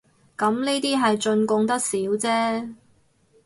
咁呢啲係進貢得少姐